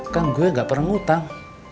kan gue gak pernah ngutang